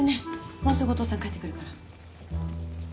もうすぐお父さん帰ってくるから。